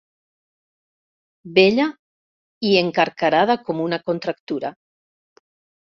Bella i encarcarada com una contractura.